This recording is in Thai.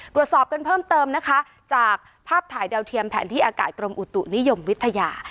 ตรวจสอบกันเพิ่มเติมนะคะจากภาพถ่ายดาวเทียมแผนที่อากาศกรมอุตุนิยมวิทยา